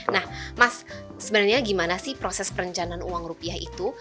nah mas sebenarnya gimana sih proses perencanaan uang rupiah itu